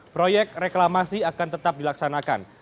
proyek reklamasi akan tetap dilaksanakan